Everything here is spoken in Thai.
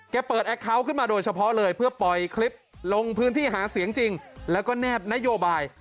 เปิดแอคเคาน์ขึ้นมาโดยเฉพาะเลยเพื่อปล่อยคลิปลงพื้นที่หาเสียงจริงแล้วก็แนบนโยบาย